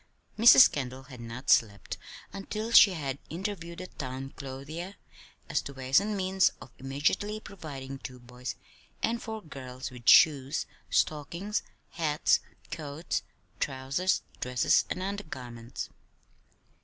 Mrs. Kendall had not slept until she had interviewed the town clothier as to ways and means of immediately providing two boys and four girls with shoes, stockings, hats, coats, trousers, dresses, and undergarments.